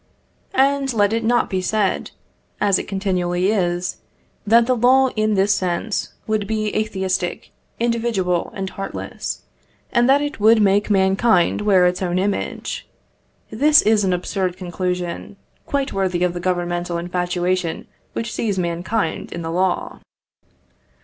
And let it not be said, as it continually is, that the law, in this sense, would be atheistic, individual, and heartless, and that it would make mankind wear its own image. This is an absurd conclusion, quite worthy of the governmental infatuation which sees mankind in the law.